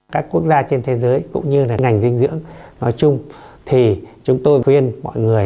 các quốc gia trên thế giới cũng như là ngành dinh dưỡng nói chung thì chúng tôi khuyên mọi người